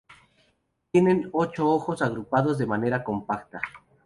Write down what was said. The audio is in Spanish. Tienen ocho ojos, agrupados de manera compacta.